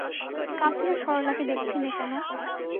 কাল থেকে সরলাকে দেখছি নে কেন।